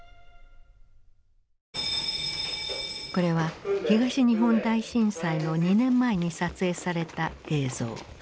これは東日本大震災の２年前に撮影された映像。